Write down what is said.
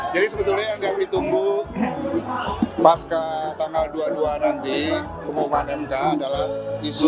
jadi sebetulnya yang ditunggu pasca tanggal dua puluh dua nanti umum mta adalah isu